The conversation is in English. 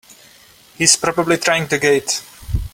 He's probably trying the gate!